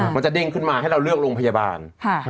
มันจะเด้งขึ้นมาให้เราเลือกโรงพยาบาล